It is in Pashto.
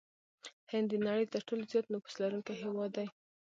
هند د نړۍ ترټولو زيات نفوس لرونکي هېواد دي.